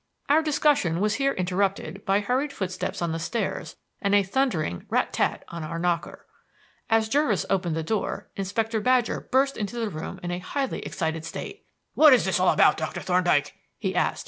Our discussion was here interrupted by hurried footsteps on the stairs and a thundering rat tat on our knocker. As Jervis opened the door, Inspector Badger burst into the room in a highly excited state. "What is all this, Doctor Thorndyke?" he asked.